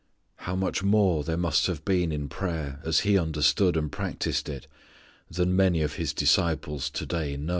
How much more there must have been in prayer as He understood and practiced it than many of His disciples to day know.